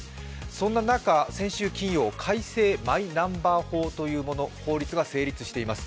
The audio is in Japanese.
そんな中、先週金曜改正マイナンバー法という法律が成立しています。